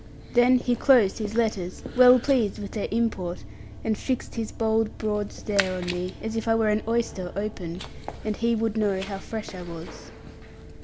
Then he closed his letters, well pleased with their import, and fixed his bold broad stare on me, as if I were an oyster opened, and he would know how fresh I was.